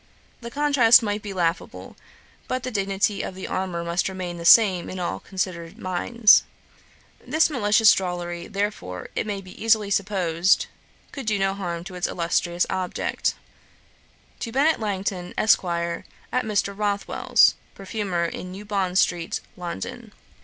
The contrast might be laughable; but the dignity of the armour must remain the same in all considerate minds. This malicious drollery, therefore, it may easily be supposed, could do no harm to its illustrious object. 'To BENNET LANGTON, ESQ., AT MR. ROTHWELL'S, PERFUMER, IN NEW BOND STREET, LONDON.